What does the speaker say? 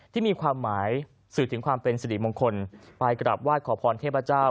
ที่มีความหมายสื่อถึงความเป็นสิริมงคลไปกลับไหว้ขอพรเทพเจ้า